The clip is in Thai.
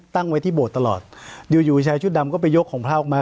ตั้งไว้ที่โบสถ์ตลอดอยู่อยู่ชายชุดดำก็ไปยกของพระออกมา